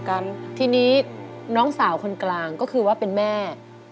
กันทีนี้น้องสาวคนกลางก็คือว่าเป็นแม่